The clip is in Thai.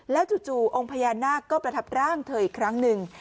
จู่องค์พญานาคก็ประทับร่างเธออีกครั้งหนึ่ง